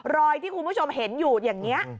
รอยที่คุณผู้ชมเห็นอยู่อย่างนี้